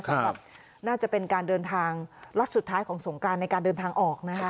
น่าจะเป็นการเดินทางล็อตสุดท้ายของสงกรานในการเดินทางออกนะคะ